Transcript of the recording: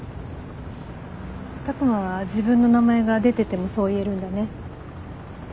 拓真は自分の名前が出ててもそう言えるんだね。